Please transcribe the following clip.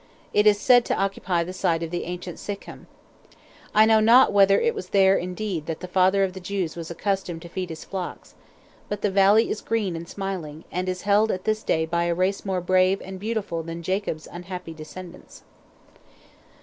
It is said to occupy the site of the ancient Sychem. I know not whether it was there indeed that the father of the Jews was accustomed to feed his flocks, but the valley is green and smiling, and is held at this day by a race more brave and beautiful than Jacob's unhappy descendants.